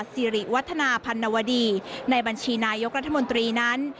สิริวัฒนาพันนวดีในบัญชีนายกรัฐมนตรีนั้น